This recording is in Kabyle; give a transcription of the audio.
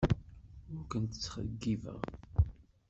Ur ken-ttxeyyibeɣ.